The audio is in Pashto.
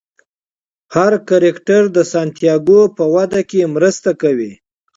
هر کرکټر د سانتیاګو په وده کې مرسته کوي.